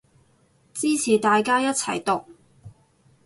支持大家一齊毒